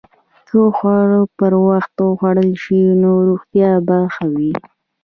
که خواړه پر وخت وخوړل شي، نو روغتیا به ښه وي.